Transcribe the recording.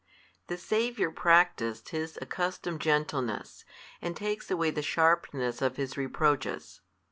The Saviour practised His accustomed gentleness, and takes away the sharpness of His reproaches.